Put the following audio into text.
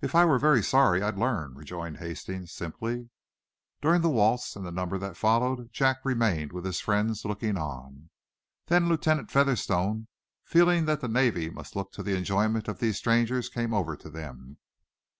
"If I were very sorry, I'd learn," rejoined Hastings, simply. During the waltz and the number that followed Jack remained with his friends, looking on. Then Lieutenant Featherstone, feeling that the Navy must look to the enjoyment of these strangers, came over to them.